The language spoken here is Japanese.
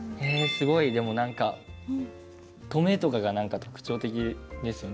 すごいでも何か止めとかが特徴的ですよね。